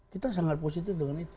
kita sangat positif dengan itu